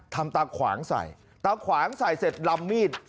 ตาขวางใส่ตาขวางใส่เสร็จลำมีด